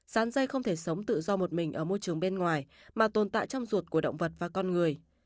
sán dây không thể sống tự do một mình ở môi trường bên ngoài mà tồn tại trong ruột của động vật và con người